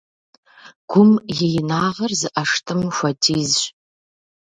Гум и инагъыр зы ӀэштӀым хуэдизщ.